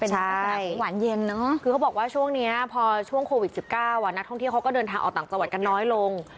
ใช่คือเขาบอกว่าช่วงนี้พอช่วงโควิด๑๙อะนักท่องเที่ยวเขาก็เดินทางออกต่างจังหวัดกันน้อยลง